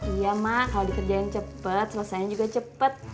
iya mak kalau dikerjain cepat selesainya juga cepet